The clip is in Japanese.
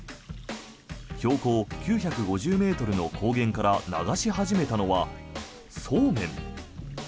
標高９５０ｍの高原から流し始めたのはそうめん。